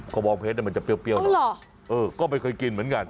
กระบองเพชรมันจะเปรี้ยวหน่อยเออก็ไม่เคยกินเหมือนกัน